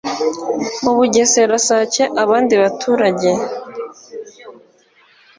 mu bugesera, sake, abandi baturage